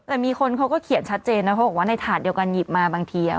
แต่มีคนเขาก็เขียนชัดเจนนะเขาบอกว่าในถาดเดียวกันหยิบมาบางที